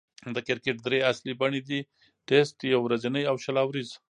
د کرکټ درې اصلي بڼې دي: ټېسټ، يو ورځنۍ، او شل اووريز.